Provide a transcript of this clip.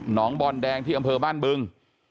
งบอนแดงที่อำเภอบ้านบึง